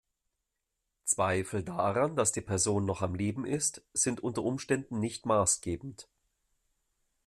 Zweifel daran, dass die Person noch am Leben ist, sind unter Umständen nicht maßgebend.